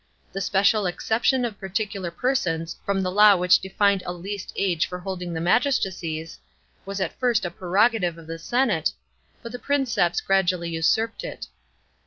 rl he special exception of particular persons from the law which defined a least age for holding the magistracies, was at first a prerogative of the senate, but the Princeps giadually usurped it.